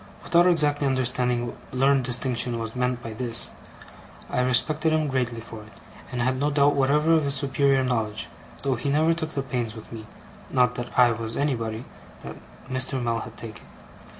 Without exactly understanding what learned distinction was meant by this, I respected him greatly for it, and had no doubt whatever of his superior knowledge: though he never took the pains with me not that I was anybody that Mr. Mell had taken.